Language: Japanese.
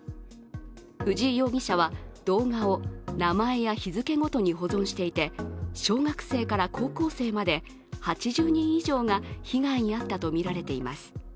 藤井容疑者は、動画を名前や日付ごとに保存していて、小学生から高校生まで８０人以上が被害に遭ったとみられています。